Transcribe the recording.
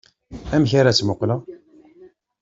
Amek ara tt-muqleɣ?